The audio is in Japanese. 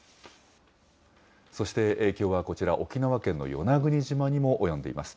そして影響はこちら、沖縄県の与那国島にも及んでいます。